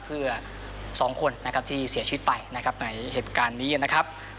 เพื่อ๒คนที่เสียชีวิตไปในเหตุการณ์นี้นะครับ